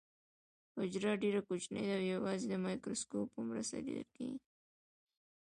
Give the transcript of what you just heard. حجره ډیره کوچنۍ ده او یوازې د مایکروسکوپ په مرسته لیدل کیږي